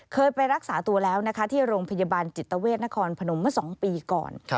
เคยไปรักษาตัวแล้วนะคะที่โรงพยาบาลจิตเวทนครพนมเมื่อ๒ปีก่อน